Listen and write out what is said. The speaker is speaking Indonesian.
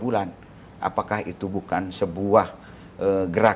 dan memperoleh sebelas ita toledernya